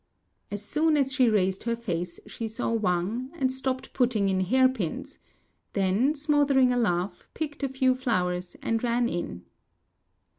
As soon as she raised her face she saw Wang, and stopped putting in hair pins; then, smothering a laugh, picked a few flowers and ran in.